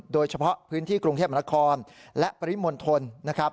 โดยเฉพาะพื้นที่กรุงเทพมนาคมและปริมณฑลนะครับ